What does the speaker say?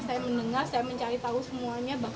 saya mendengar saya mencari tahu semuanya